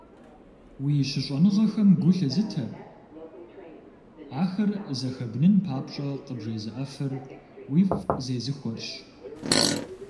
Уи щыщӀэныгъэхэм гу лъызытэр, ахэр зэхэбнын папщӀэ къыбжезыӀэфыр, уифӀ зезыхуэрщ.